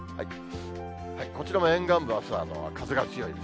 こちらも沿岸部は、あすは風が強いです。